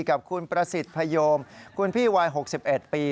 กับคุณประสิทธิ์พยมคุณพี่วัย๖๑ปี